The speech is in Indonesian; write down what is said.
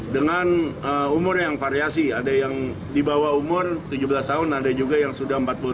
dengan umur yang variasi ada yang di bawah umur tujuh belas tahun ada juga yang sudah empat puluh tahun